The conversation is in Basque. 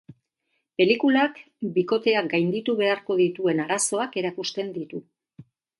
Pelikulak bikoteak gainditu beharko dituen arazoak erakusten ditu.